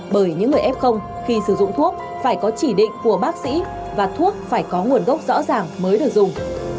bởi những người f khi sử dụng thuốc phải có chỉ định của bác sĩ và thuốc phải có nguồn gốc rõ ràng mới được dùng